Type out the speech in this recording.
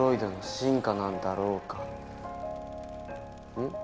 うん？